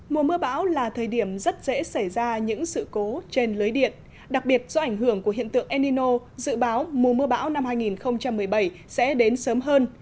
mùa mưa bão là thời điểm rất dễ xảy ra những sự cố trên lưới điện đặc biệt do ảnh hưởng của hiện tượng enino dự báo mùa mưa bão năm hai nghìn một mươi bảy sẽ đến sớm hơn